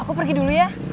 aku pergi dulu ya